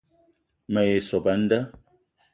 Me ye sop a nda